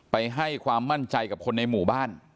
ให้ความมั่นใจกับคนในหมู่บ้าน